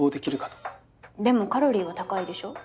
でもカロリーは高いでしょ？